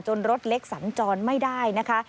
รถเล็กสัญจรไม่ได้นะคะ